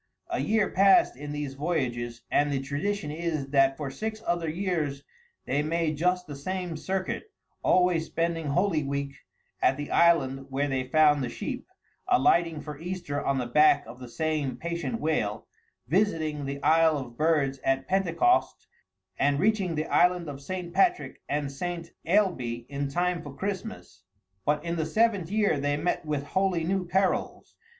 A year passed in these voyages, and the tradition is that for six other years they made just the same circuit, always spending Holy Week at the island where they found the sheep, alighting for Easter on the back of the same patient whale, visiting the Isle of Birds at Pentecost, and reaching the island of St. Patrick and St. Ailbée in time for Christmas. But in the seventh year they met with wholly new perils.